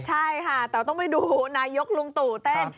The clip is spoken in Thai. ใช่ค่ะแต่ต้องไปดูนายกลุงตู่เต้น